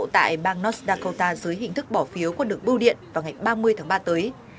tại bang north dakota dưới hình thức bỏ phiếu qua đường bưu điện vào ngày ba mươi tháng ba tới